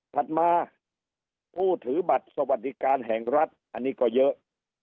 ถัดมาผู้ถือบัตรสวัสดิการแห่งรัฐอันนี้ก็เยอะ